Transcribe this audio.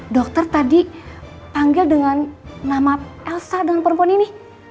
dokter tadi panggil dengan nama elsa dan perempuan ini